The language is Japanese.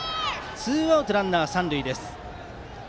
ツーアウトランナー、三塁です。